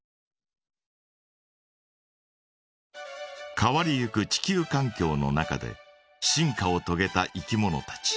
変わりゆく地球かん境の中で進化をとげたいきものたち。